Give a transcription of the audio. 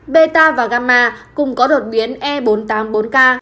beta và ganma cùng có đột biến e bốn trăm tám mươi bốn k